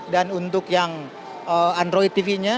dan untuk yang android tv nya